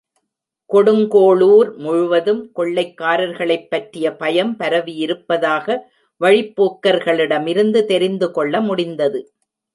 கொடுங்கோளூர் முழுவதும் கொள்ளைக்காரர்களைப் பற்றிய பயம் பரவியிருப்பதாக வழிப்போக்கர்களிடமிருந்து தெரிந்து கொள்ள முடிந்தது.